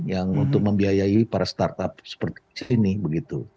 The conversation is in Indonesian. yang untuk membiayai para startup seperti ini begitu